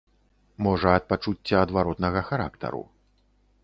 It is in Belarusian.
Можа ад пачуцця адваротнага характару.